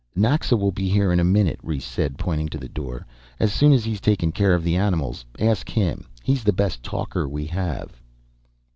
"Naxa will be here in a minute," Rhes said, pointing to the door, "as soon as he's taken care of the animals. Ask him. He's the best talker we have."